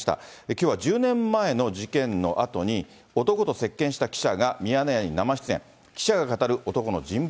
きょうは１０年前の事件のあとに、男と接見した記者がミヤネ屋に生出演。